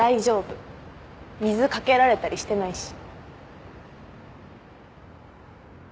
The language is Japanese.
水かけられたりしてないし。